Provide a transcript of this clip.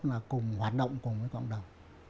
nhưng mà cùng hoạt động cùng với cộng đồng